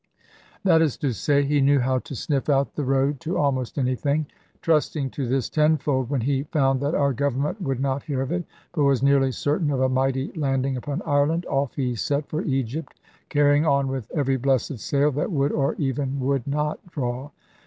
That is to say, he knew how to sniff out the road to almost anything. Trusting to this tenfold (when he found that our Government would not hear of it, but was nearly certain of a mighty landing upon Ireland), off he set for Egypt, carrying on with every blessed sail that would or even would not draw.